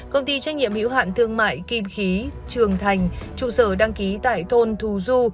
công ty trách nhiệm hữu hạn thương mại kim khí trường thành trụ sở đăng ký tại thôn thù du